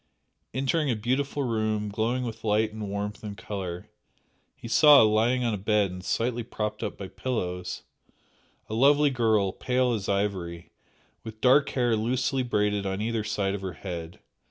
Entering a beautiful room glowing with light and warmth and colour, he saw, lying on a bed and slightly propped up by pillows, a lovely girl, pale as ivory, with dark hair loosely braided on either side of her head.